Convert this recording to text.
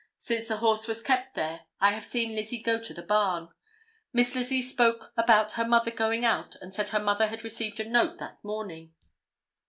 Since the horse was kept there, I have seen Lizzie go to the barn. Miss Lizzie spoke about her mother going out and said her mother had received a note that morning."